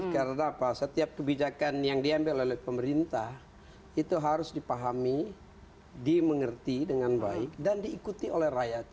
karena setiap kebijakan yang diambil oleh pemerintah itu harus dipahami dimengerti dengan baik dan diikuti oleh rakyat